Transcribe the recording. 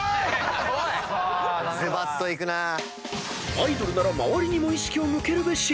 ［アイドルなら周りにも意識を向けるべし］